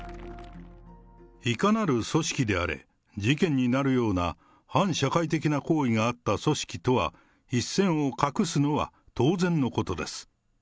いかなる組織であれ、事件になるような反社会的な行為があった組織とは一線を画すのは当然のことです。